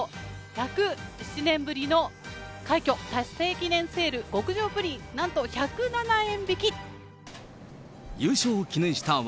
１０７年ぶりの快挙達成記念セール、極上プリン、なんと１０７円引き。